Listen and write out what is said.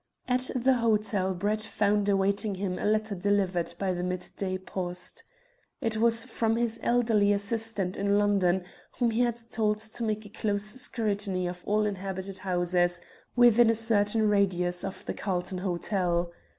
At the hotel Brett found awaiting him a letter delivered by the midday post. It was from his elderly assistant in London, whom he had told to make a close scrutiny of all inhabited houses within a certain radius of the Carlton Hotel.